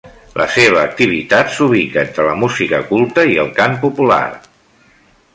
La seva activitat s'ubica entre la música culta i el cant popular.